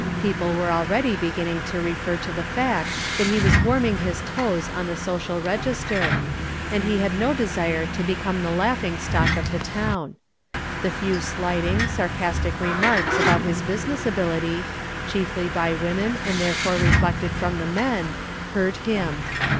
People were already beginning to refer to the fact that he was warming his toes on the Social Register, and he had no desire to become the laughing stock of the town. The few slighting, sarcastic remarks about his business ability, chiefly by women and therefore reflected from the men, hurt him.